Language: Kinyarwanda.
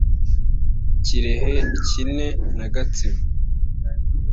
Kirehe ikine na Gatsibo